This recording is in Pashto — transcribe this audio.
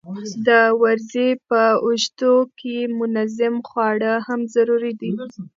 د ورځې په اوږدو کې منظم خواړه هم ضروري دي.